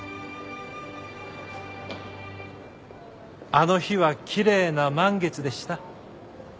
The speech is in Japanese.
あの日はきれいな満月でした。